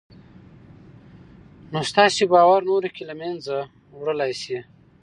نو ستاسې باور نورو کې له منځه وړلای شي